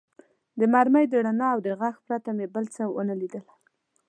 د مرمۍ د رڼا او غږ پرته مې بل څه و نه لیدل.